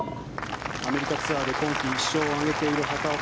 アメリカツアーで今季１勝を挙げている畑岡。